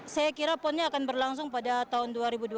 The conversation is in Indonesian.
saya kira ponnya akan berlangsung pada tahun dua ribu dua puluh